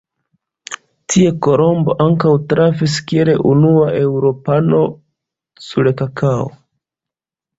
Tie Kolombo ankaŭ trafis kiel unua eŭropano sur kakao.